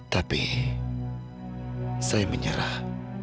tapi saya menyerah